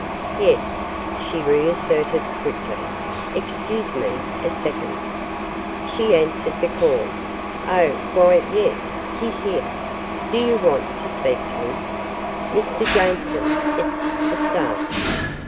"Yes," she reasserted quickly. "Excuse me a second." She answered the call. "Oh why yes, he's here. Do you want to speak to him? Mr. Jameson, it's the Star."